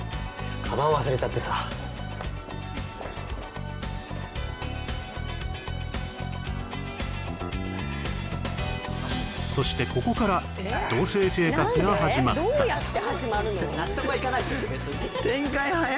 カバン忘れちゃってさそしてここから同棲生活が始まったえっ？